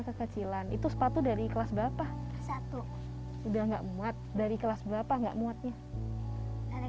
kekecilan itu sepatu dari kelas bapak satu udah nggak muat dari kelas berapa nggak muatnya dari